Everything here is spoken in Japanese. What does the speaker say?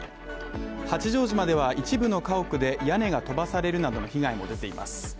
八丈島では一部の家屋で屋根が飛ばされるなどの被害も出ています。